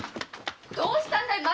どうしたんだよ